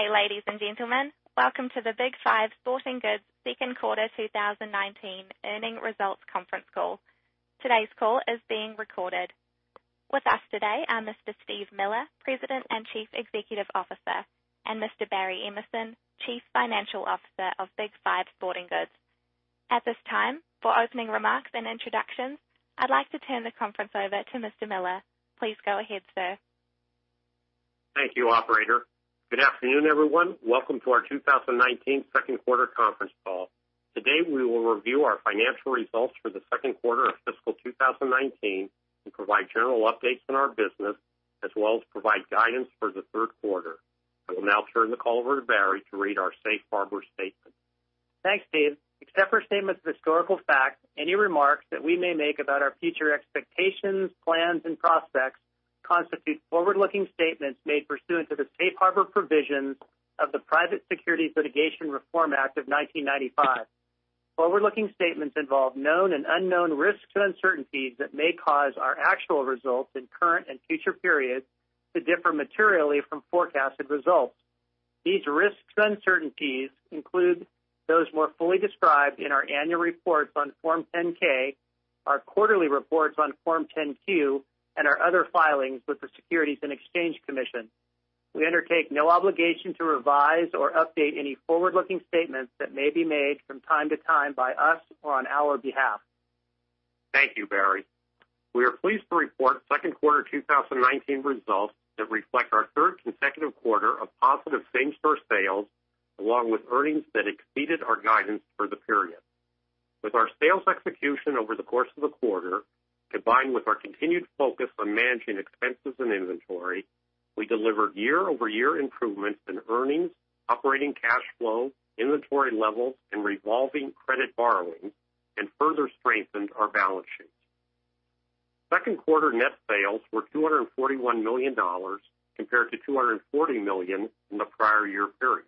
Hey, ladies and gentlemen. Welcome to the Big 5 Sporting Goods second quarter 2019 earnings results conference call. Today's call is being recorded. With us today are Mr. Steve Miller, President and Chief Executive Officer, and Mr. Barry Emerson, Chief Financial Officer of Big 5 Sporting Goods. At this time, for opening remarks and introductions, I'd like to turn the conference over to Mr. Miller. Please go ahead, sir. Thank you, operator. Good afternoon, everyone. Welcome to our 2019 second quarter conference call. Today, we will review our financial results for the second quarter of fiscal 2019 and provide general updates on our business, as well as provide guidance for the third quarter. I will now turn the call over to Barry to read our safe harbor statement. Thanks, Steve. Except for statements of historical facts, any remarks that we may make about our future expectations, plans, and prospects constitute forward-looking statements made pursuant to the safe harbor provisions of the Private Securities Litigation Reform Act of 1995. Forward-looking statements involve known and unknown risks and uncertainties that may cause our actual results in current and future periods to differ materially from forecasted results. These risks and uncertainties include those more fully described in our annual reports on Form 10-K, our quarterly reports on Form 10-Q, and our other filings with the Securities and Exchange Commission. We undertake no obligation to revise or update any forward-looking statements that may be made from time to time by us or on our behalf. Thank you, Barry. We are pleased to report second quarter 2019 results that reflect our third consecutive quarter of positive same-store sales, along with earnings that exceeded our guidance for the period. With our sales execution over the course of the quarter, combined with our continued focus on managing expenses and inventory, we delivered year-over-year improvements in earnings, operating cash flow, inventory levels, and revolving credit borrowing, and further strengthened our balance sheet. Second quarter net sales were $241 million, compared to $240 million in the prior year period.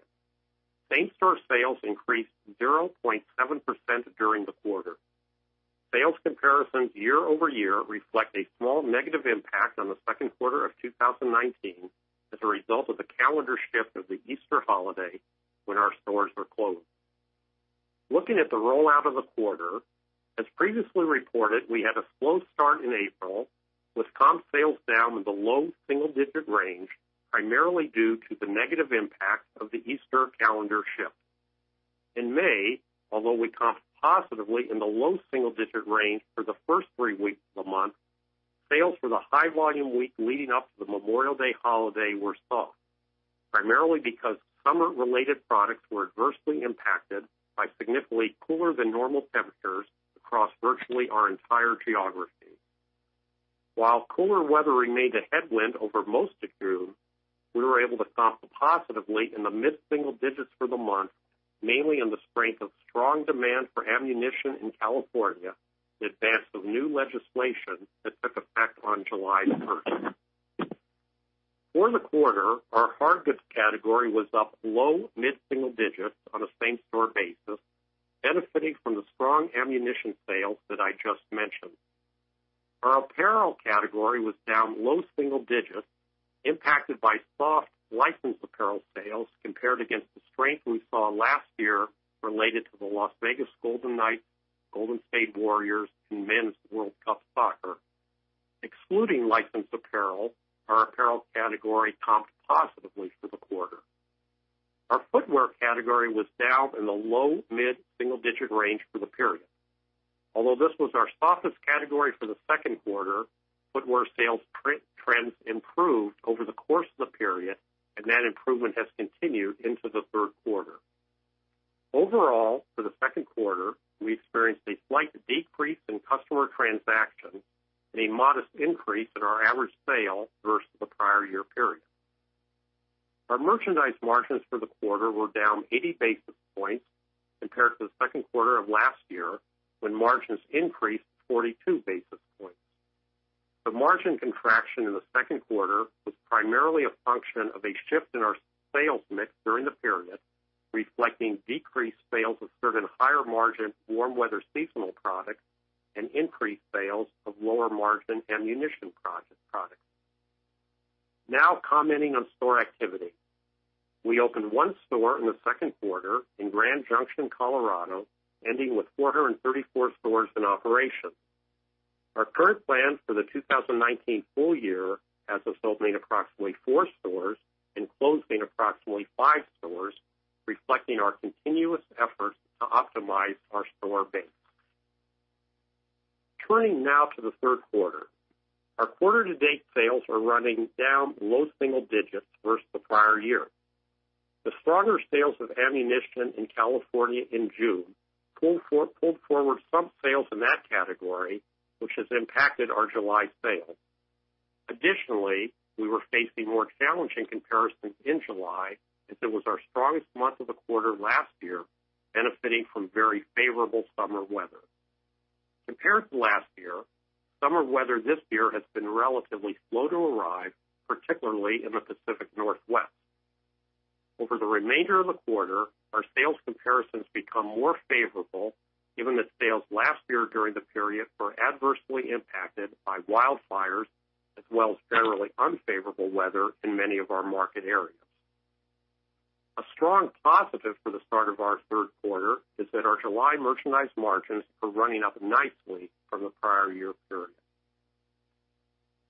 Same-store sales increased 0.7% during the quarter. Sales comparisons year-over-year reflect a small negative impact on the second quarter of 2019 as a result of the calendar shift of the Easter holiday when our stores were closed. Looking at the rollout of the quarter, as previously reported, we had a slow start in April with comp sales down in the low single-digit range, primarily due to the negative impact of the Easter calendar shift. In May, although we comped positively in the low single-digit range for the first three weeks of the month, sales for the high volume week leading up to the Memorial Day holiday were soft, primarily because summer-related products were adversely impacted by significantly cooler than normal temperatures across virtually our entire geography. While cooler weather remained a headwind over most of June, we were able to comp positively in the mid-single digits for the month, mainly on the strength of strong demand for ammunition in California in advance of new legislation that took effect on July 1st. For the quarter, our hard goods category was up low mid-single digits on a same-store basis, benefiting from the strong ammunition sales that I just mentioned. Our apparel category was down low single digits, impacted by soft licensed apparel sales compared against the strength we saw last year related to the Las Vegas Golden Knights, Golden State Warriors, and Men's World Cup soccer. Excluding licensed apparel, our apparel category comped positively for the quarter. Our footwear category was down in the low mid-single-digit range for the period. Although this was our softest category for the second quarter, footwear sales trends improved over the course of the period, and that improvement has continued into the third quarter. Overall, for the second quarter, we experienced a slight decrease in customer transactions and a modest increase in our average sale versus the prior year period. Our merchandise margins for the quarter were down 80 basis points compared to the second quarter of last year, when margins increased 42 basis points. The margin contraction in the second quarter was primarily a function of a shift in our sales mix during the period, reflecting decreased sales of certain higher-margin warm weather seasonal products and increased sales of lower-margin ammunition products. Now commenting on store activity. We opened one store in the second quarter in Grand Junction, Colorado, ending with 434 stores in operation. Our current plans for the 2019 full year has us opening approximately four stores and closing approximately five stores, reflecting our continuous efforts to optimize our store base. Turning now to the third quarter. Our quarter to date sales are running down low single digits versus the prior year. The stronger sales of ammunition in California in June pulled forward some sales in that category, which has impacted our July sales. We were facing more challenging comparisons in July, as it was our strongest month of the quarter last year, benefiting from very favorable summer weather. Compared to last year, summer weather this year has been relatively slow to arrive, particularly in the Pacific Northwest. Over the remainder of the quarter, our sales comparisons become more favorable, given that sales last year during the period were adversely impacted by wildfires, as well as generally unfavorable weather in many of our market areas. A strong positive for the start of our third quarter is that our July merchandise margins are running up nicely from the prior year period.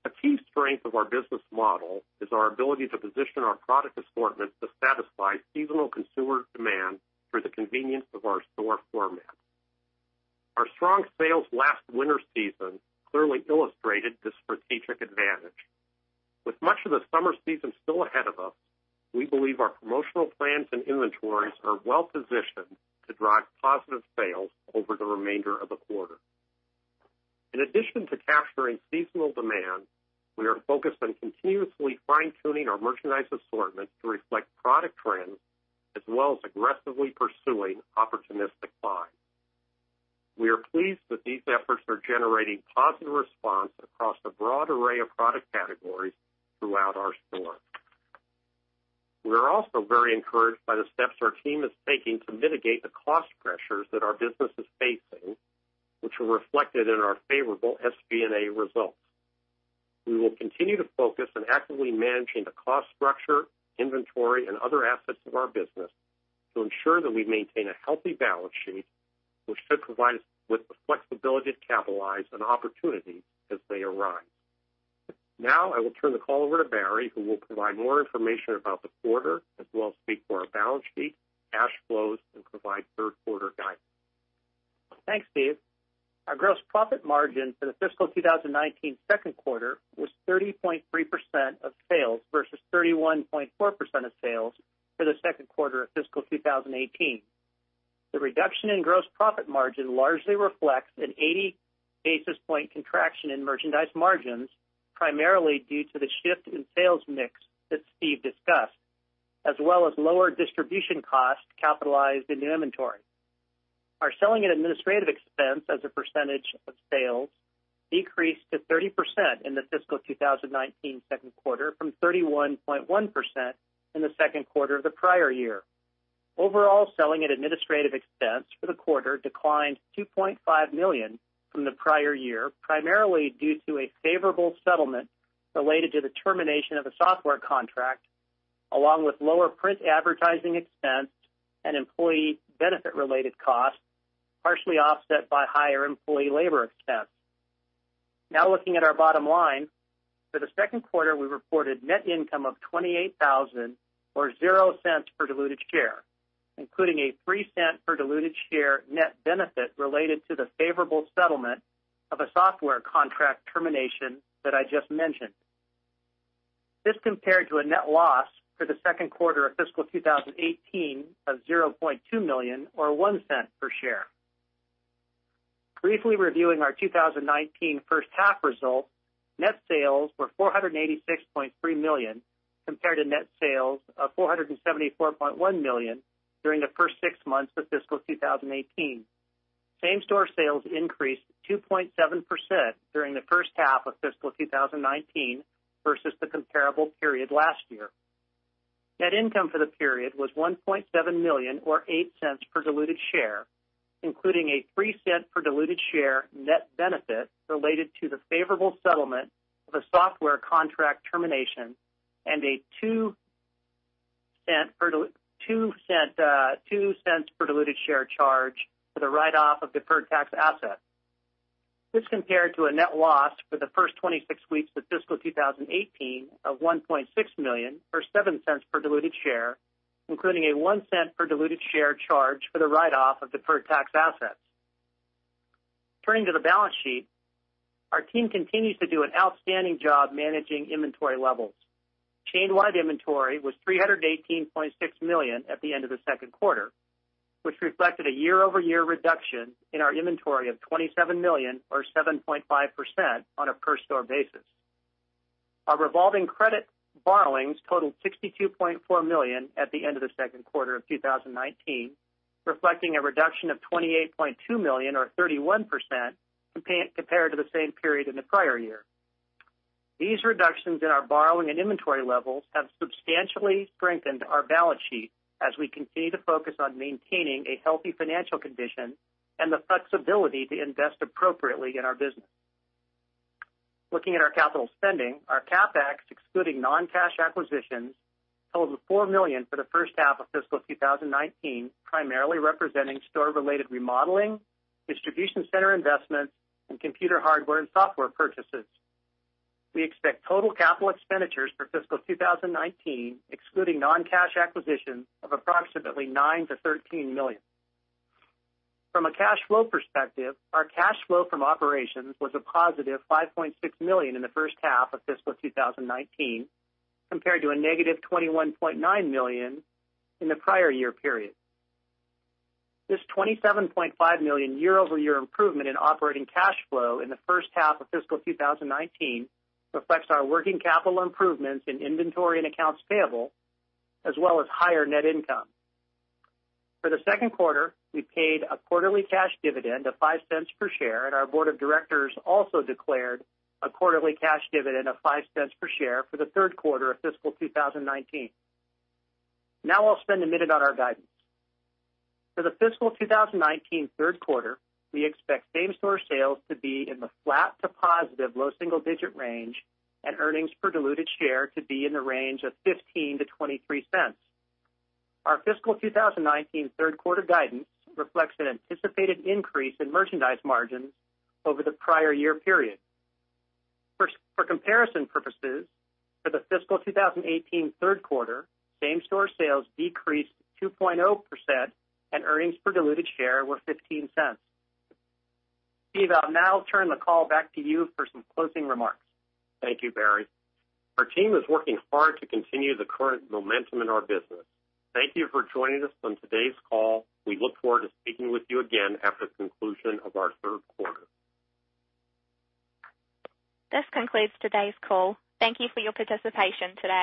A key strength of our business model is our ability to position our product assortment to satisfy seasonal consumer demand through the convenience of our store format. Our strong sales last winter season clearly illustrated this strategic advantage. With much of the summer season still ahead of us, we believe our promotional plans and inventories are well positioned to drive positive sales over the remainder of the quarter. In addition to capturing seasonal demand, we are focused on continuously fine-tuning our merchandise assortment to reflect product trends, as well as aggressively pursuing opportunistic buys. We are pleased that these efforts are generating positive response across a broad array of product categories throughout our stores. We are also very encouraged by the steps our team is taking to mitigate the cost pressures that our business is facing, which were reflected in our favorable SG&A results. We will continue to focus on actively managing the cost structure, inventory, and other assets of our business to ensure that we maintain a healthy balance sheet, which should provide us with the flexibility to capitalize on opportunities as they arise. Now, I will turn the call over to Barry, who will provide more information about the quarter, as well as speak to our balance sheet, cash flows, and provide third quarter guidance. Thanks, Steve. Our gross profit margin for the fiscal 2019 second quarter was 30.3% of sales versus 31.4% of sales for the second quarter of fiscal 2018. The reduction in gross profit margin largely reflects an 80 basis point contraction in merchandise margins, primarily due to the shift in sales mix that Steve discussed, as well as lower distribution costs capitalized in new inventory. Our selling and administrative expense as a percentage of sales decreased to 30% in the fiscal 2019 second quarter from 31.1% in the second quarter of the prior year. Overall, selling and administrative expense for the quarter declined $2.5 million from the prior year, primarily due to a favorable settlement related to the termination of a software contract, along with lower print advertising expense and employee benefit-related costs, partially offset by higher employee labor expense. Now looking at our bottom line. For the second quarter, we reported net income of $28,000, or $0.00 per diluted share, including a $0.03 per diluted share net benefit related to the favorable settlement of a software contract termination that I just mentioned. This compared to a net loss for the second quarter of fiscal 2018 of $0.2 million or $0.01 per share. Briefly reviewing our 2019 first half results, net sales were $486.3 million, compared to net sales of $474.1 million during the first six months of fiscal 2018. Same-store sales increased 2.7% during the first half of fiscal 2019 versus the comparable period last year. Net income for the period was $1.7 million, or $0.08 per diluted share, including a $0.03 per diluted share net benefit related to the favorable settlement of a software contract termination and a $0.02 per diluted share charge for the write-off of deferred tax assets. This compared to a net loss for the first 26 weeks of fiscal 2018 of $1.6 million, or $0.07 per diluted share, including a $0.01 per diluted share charge for the write-off of deferred tax assets. Turning to the balance sheet, our team continues to do an outstanding job managing inventory levels. Chain-wide inventory was $318.6 million at the end of the second quarter, which reflected a year-over-year reduction in our inventory of $27 million or 7.5% on a per store basis. Our revolving credit borrowings totaled $62.4 million at the end of the second quarter of 2019, reflecting a reduction of $28.2 million or 31% compared to the same period in the prior year. These reductions in our borrowing and inventory levels have substantially strengthened our balance sheet as we continue to focus on maintaining a healthy financial condition and the flexibility to invest appropriately in our business. Looking at our capital spending, our CapEx, excluding non-cash acquisitions, totaled $4 million for the first half of fiscal 2019, primarily representing store-related remodeling, distribution center investments, and computer hardware and software purchases. We expect total capital expenditures for fiscal 2019, excluding non-cash acquisitions, of approximately $9 million-$13 million. From a cash flow perspective, our cash flow from operations was a positive $5.6 million in the first half of fiscal 2019, compared to a negative -$21.9 million in the prior year period. This $27.5 million year-over-year improvement in operating cash flow in the first half of fiscal 2019 reflects our working capital improvements in inventory and accounts payable, as well as higher net income. For the second quarter, we paid a quarterly cash dividend of $0.05 per share, and our board of directors also declared a quarterly cash dividend of $0.05 per share for the third quarter of fiscal 2019. Now I'll spend a minute on our guidance. For the fiscal 2019 third quarter, we expect same-store sales to be in the flat to positive low single digit range and earnings per diluted share to be in the range of $0.15-$0.23. Our fiscal 2019 third quarter guidance reflects an anticipated increase in merchandise margins over the prior year period. For comparison purposes, for the fiscal 2018 third quarter, same-store sales decreased 2.0% and earnings per diluted share were $0.15. Steve, I'll now turn the call back to you for some closing remarks. Thank you, Barry. Our team is working hard to continue the current momentum in our business. Thank you for joining us on today's call. We look forward to speaking with you again after the conclusion of our third quarter. This concludes today's call. Thank you for your participation today